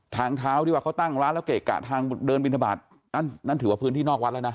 ทางเท้าที่ว่าเขาตั้งร้านแล้วเกะกะทางเดินบินทบาทนั่นถือว่าพื้นที่นอกวัดแล้วนะ